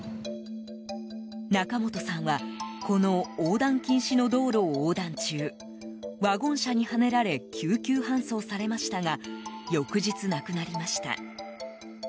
仲本さんはこの横断禁止の道路を横断中ワゴン車にはねられ救急搬送されましたが翌日、亡くなりました。